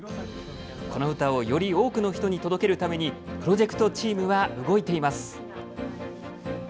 この歌をより多くの人に届けるためにプロジェクトチームは動いています。